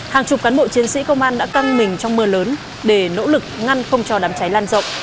hàng chục cán bộ chiến sĩ công an đã căng mình trong mưa lớn để nỗ lực ngăn không cho đám cháy lan rộng